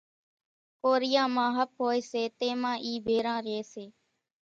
ڪوريان مان ۿپ هوئيَ سي تيمان اِي ڀيران ريئيَ سي۔